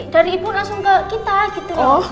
dari ibu langsung ke kita gitu loh